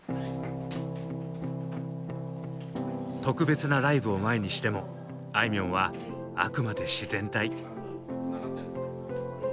特別なライブを前にしてもあいみょんはあくまで自然体。